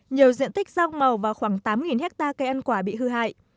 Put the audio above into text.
nhiều diện tích rau màu và khoảng tám hectare cây ăn quả bị hư hại